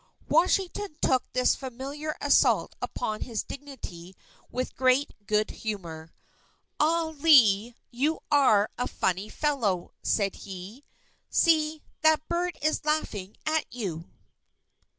Washington took this familiar assault upon his dignity with great good humour. "Ah, Lee, you are a funny fellow!" said he, "See, that bird is laughing at you!"